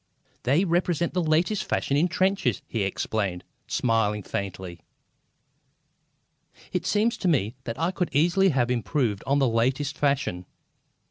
"They represent the latest fashion in trenches!" he explained, smiling faintly. It seemed to me that I could easily have improved on that latest fashion.